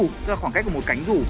tức là khoảng cách của một cánh dù